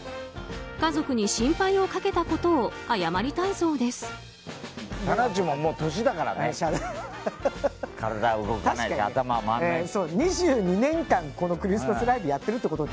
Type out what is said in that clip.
家族に心配をかけたことを謝りたいそうです。